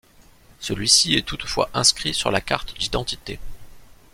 Celui-ci est toutefois inscrit sur la carte d'identité.